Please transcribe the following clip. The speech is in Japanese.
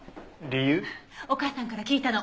お母さんから聞いたの。